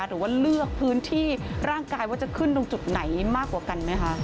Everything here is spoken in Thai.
หรือว่าเลือกพื้นที่ร่างกายว่าจะขึ้นตรงจุดไหนมากกว่ากันไหมคะ